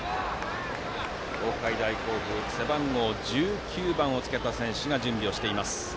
東海大甲府は背番号１９番をつけた選手が準備しています。